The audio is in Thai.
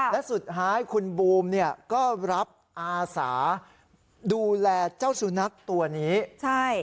และสุดท้ายคุณบูมเนี่ยก็รับอาสาดูแลเจ้าสุนัขตัวนี้ใช่